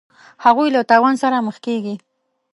هغوی له تاوان سره مخ کیږي.